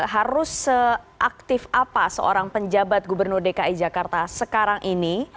harus seaktif apa seorang penjabat gubernur dki jakarta sekarang ini